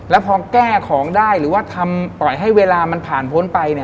แล้วพอแก้ของได้หรือว่าทำปล่อยให้เวลามันผ่านพ้นไป